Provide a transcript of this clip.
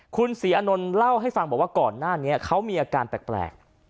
คุณศรีอานนท์เล่าให้ฟังบอกว่าก่อนหน้านี้เขามีอาการแปลก